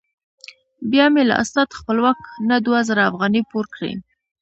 بیا مې له استاد خپلواک نه دوه زره افغانۍ پور کړې.